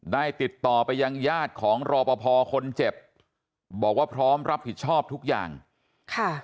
ได้ติดต่อไปยังญาติของรอปภคนเจ็บบอกว่าพร้อมรับผิดชอบทุกอย่างค่ะ